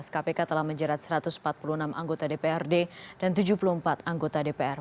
kpk telah menjerat satu ratus empat puluh enam anggota dprd dan tujuh puluh empat anggota dpr